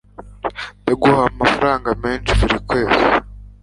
ndaguha amafaranga menshi buri kwezi